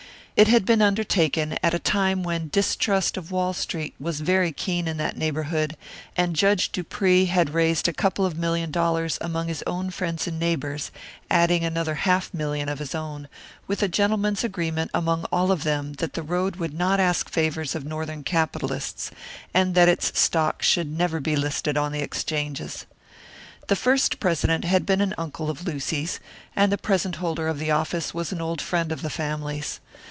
It had been undertaken at a time when distrust of Wall Street was very keen in that neighbourhood; and Judge Dupree had raised a couple of million dollars among his own friends and neighbours, adding another half million of his own, with a gentlemen's agreement among all of them that the road would not ask favours of Northern capitalists, and that its stock should never be listed on the Exchanges. The first president had been an uncle of Lucy's, and the present holder of the office was an old friend of the family's.